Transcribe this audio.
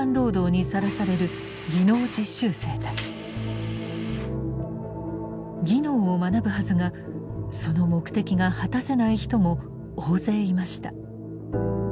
技能を学ぶはずがその目的が果たせない人も大勢いました。